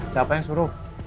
siapa yang suruh